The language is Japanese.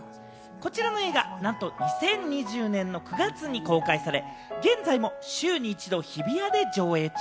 こちらの映画、なんと２０２０年の９月に公開され、現在も週に一度、日比谷で上映中。